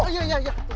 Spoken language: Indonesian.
iya jangan jangan bang